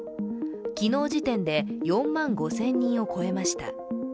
昨日時点で４万５０００人を超えました